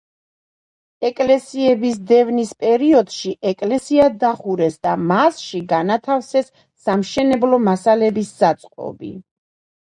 ეკლესიების დევნის პერიოდში ეკლესია დახურეს და მასში განათავსეს სამშენებლო მასალების საწყობი.